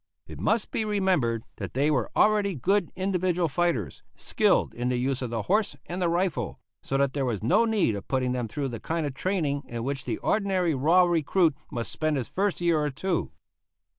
It must be remembered that they were already good individual fighters, skilled in the use of the horse and the rifle, so that there was no need of putting them through the kind of training in which the ordinary raw recruit must spend his first year or two.